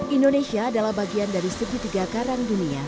indonesia adalah bagian dari segitiga karang dunia